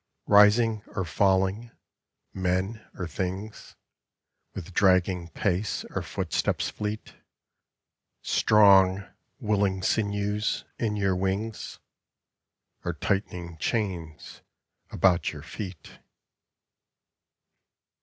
Rising or falling? Men or things? With dragging pace or footsteps fleet? Strong, willing sinews in your wings? Or tightening chains about your feet?